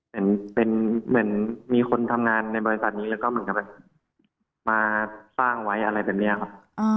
เหมือนมีคนทำงานในบริษัทนี้แล้วก็มาสร้างไว้อะไรแบบนี้ครับ